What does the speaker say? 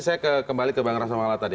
saya kembali ke bang rasamala tadi